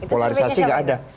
polarisasi nggak ada